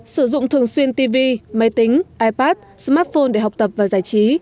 sử dụng thường xuyên tv máy tính ipad smartphone để học tập và giải trí